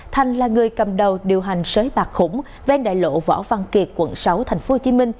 thành là người cầm đầu điều hành sới bạc khủng ven đại lộ võ văn kiệt quận sáu tp hcm